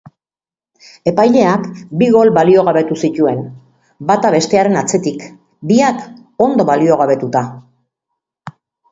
Epaileak bi gol baliogabetu zituen, bata bestearen atzetik, biak ondo baliogabetuta.